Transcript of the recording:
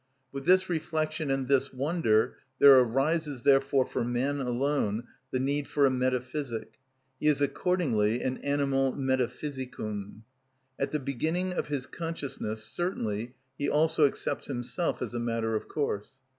With this reflection and this wonder there arises therefore for man alone, the need for a metaphysic; he is accordingly an animal metaphysicum. At the beginning of his consciousness certainly he also accepts himself as a matter of course.